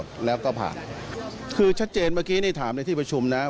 คือคือคือคือคือคือคือคือคือคือคือคือคือคือ